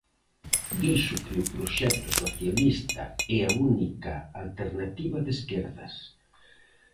Dixo que o proxecto socialista é a única alternativa de esquerdas.